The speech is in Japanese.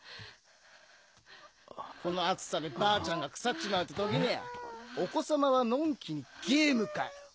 この暑さでばあちゃんが腐っちまうって時にお子様はのんきにゲームかよ。